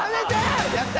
やった！